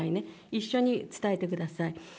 一緒に伝えてください。